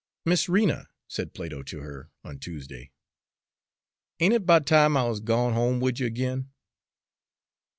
"Miss Rena," said Plato to her on Tuesday, "ain't it 'bout time I wuz gwine home wid you ag'in?"